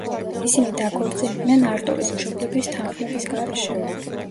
ისინი დაქორწინდნენ არტურის მშობლების თანხმობის გარეშე.